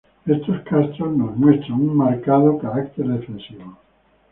Estos castros nos muestran un marcado carácter defensivo.